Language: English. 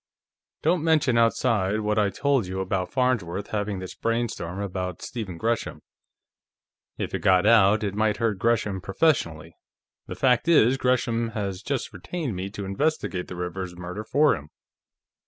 "Don't mention outside what I told you about Farnsworth having this brainstorm about Stephen Gresham. If it got out, it might hurt Gresham professionally. The fact is, Gresham has just retained me to investigate the Rivers murder for him.